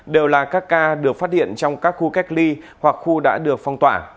đều là các ca được phát hiện trong các khu cách ly hoặc khu đã được phong tỏa